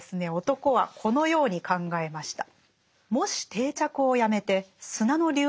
男はこのように考えました。